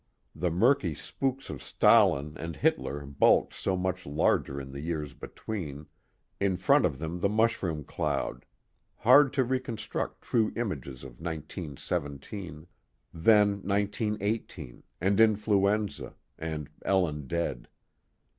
The murky spooks of Stalin and Hitler bulked so much larger in the years between, in front of them the mushroom cloud hard to reconstruct true images of 1917. Then 1918, and influenza, and Ellen dead.